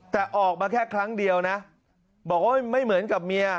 แต่ออกมาแค่ครั้งเดียวนะบอกว่าไม่เหมือนกับเมีย